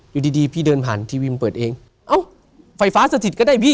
อยู่ดีดีพี่เดินผ่านทีวีมันเปิดเองเอ้าไฟฟ้าสถิตก็ได้พี่